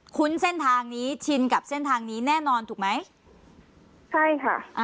้นเส้นทางนี้ชินกับเส้นทางนี้แน่นอนถูกไหมใช่ค่ะอ่า